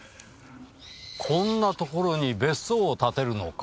こんな所に別荘を建てるのか？